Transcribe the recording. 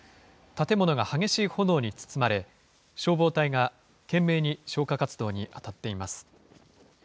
建物が激しい炎に包まれ、消防隊が懸命に消火活動に当たっています。